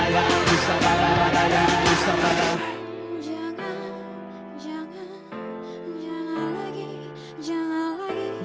jangan jangan jangan lagi jangan lagi